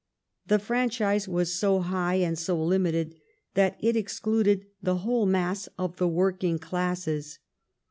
The franchise was so high and so limited that it excluded the whole mass of the working classes.